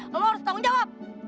lo harus tanggung jawab